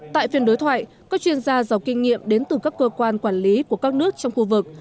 tại phiên đối thoại các chuyên gia giàu kinh nghiệm đến từ các cơ quan quản lý của các nước trong khu vực